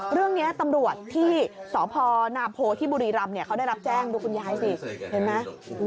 เรื่องนี้ตำรวจที่สพนาโพที่บุรีรำเขาได้รับแจ้งดูคุณยายสิเห็นไหม